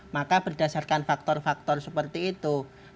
maka berdasarkan faktor faktor seperti itu